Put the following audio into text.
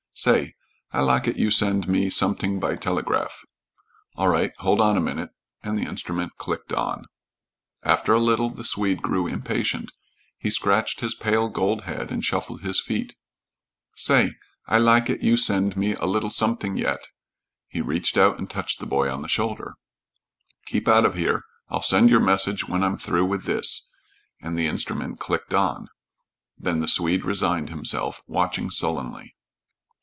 "Say, I lak it you send me somet'ing by telegraph." "All right. Hold on a minute," and the instrument clicked on. After a little the Swede grew impatient. He scratched his pale gold head and shuffled his feet. "Say, I lak it you send me a little somet'ing yet." He reached out and touched the boy on the shoulder. "Keep out of here. I'll send your message when I'm through with this," and the instrument clicked on. Then the Swede resigned himself, watching sullenly.